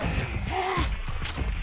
ああ！